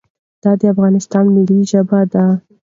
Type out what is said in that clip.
دا افغانستان ملی ژبه پښتو ده